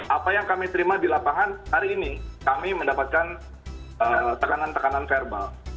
apa yang kami terima di lapangan hari ini kami mendapatkan tekanan tekanan verbal